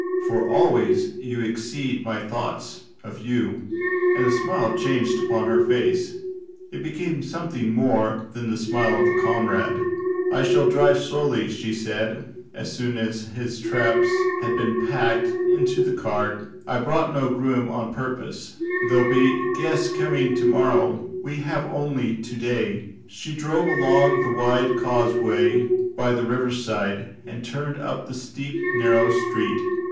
"For always you exceed my thoughts of you;" and the smile changed upon her face it became something more than the smile of a comrade. "I shall drive slowly," she said, as soon as his traps had been packed into the cart; "I brought no groom on purpose. There will be guests coming to morrow. We have only to day." She drove along the wide causeway by the riverside, and turned up the steep, narrow street.